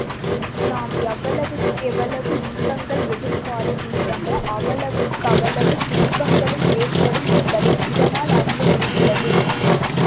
நாம் எவ்வளவுக்கெவ்வளவு இன்பங்களை எதிர்பார்க்கிறோமோ அவ்வளவுக்கவ்வளவு துன்பங்களும் ஏற்படும் என்பதை இதனால் அறிய முடிகிறது.